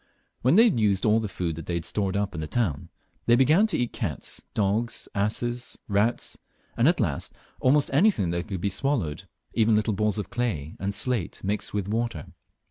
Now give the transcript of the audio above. When they had finished all the food they had stored up in the town, they began to eat cats, dogs, asses, rats, and at last almost anything that conld be swallowed, even little balls of clay and slate mixed up with water.